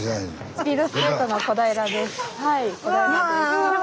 スピードスケートの小平です。